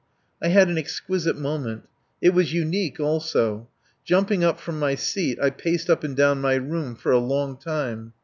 I had an exquisite moment. It was unique also. Jumping up from my seat, I paced up and down my room for a long time.